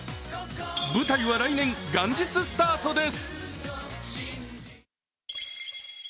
舞台は来年元日スタートです。